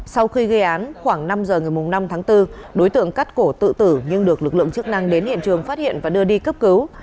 sau khi gây án khoảng năm giờ ngày năm tháng bốn đối tượng cắt cổ tự tử nhưng được lực lượng chức năng đến hiện trường phát hiện và đưa đi cấp cứu